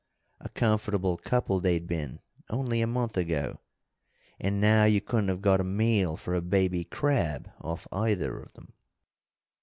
A comfortable couple they'd been, only a month ago, and now you couldn't have got a meal for a baby crab off either of them.